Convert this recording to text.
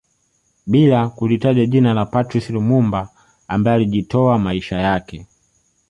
Bila kulitaja jina la Patrice Lumumba ambaye alijitoa maisha yake